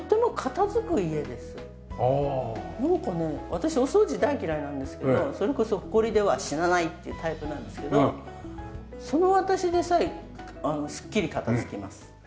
私お掃除大嫌いなんですけどそれこそホコリでは死なないっていうタイプなんですけどその私でさえすっきり片付きます。